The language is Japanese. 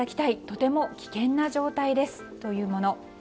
とても危険な状態ですというもの。